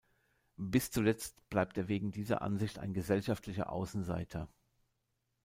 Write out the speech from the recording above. Bis zuletzt bleibt er wegen dieser Ansicht ein gesellschaftlicher Außenseiter.